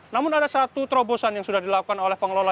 namun ada satu terobosan yang sudah dilakukan oleh pengelola